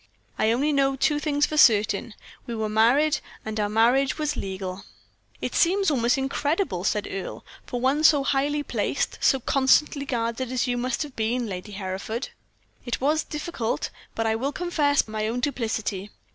I only know two things for certain we were married, and our marriage was legal." "It seems almost incredible," said Earle, "for one so highly placed, so constantly guarded as you must have been, Lady Hereford." "It was difficult; but I will confess my own duplicity.